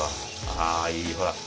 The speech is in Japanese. あいいほら。